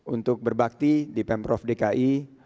untuk berbakti di pemprov dki